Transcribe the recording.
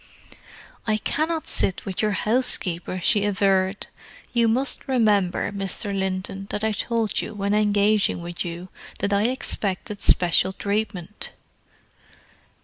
"I cannot sit with your housekeeper," she averred. "You must remember, Mr. Linton, that I told you when engaging with you, that I expected special treatment."